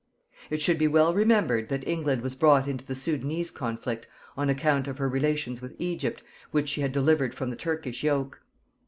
It should be well remembered that England was brought into the Soudanese conflict on account of her relations with Egypt, which she had delivered from the Turkish yoke.